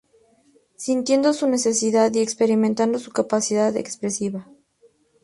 Sintiendo su necesidad y experimentando su capacidad expresiva.